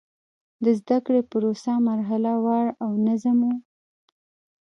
د زده کړې پروسه مرحله وار او منظم و.